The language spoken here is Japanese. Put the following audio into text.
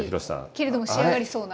けれども仕上がりそうな。